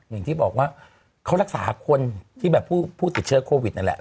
อย่างที่บอกว่าเขารักษาคนที่แบบผู้ติดเชื้อโควิดนั่นแหละ